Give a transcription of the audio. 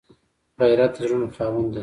غیرت د زړونو خاوند دی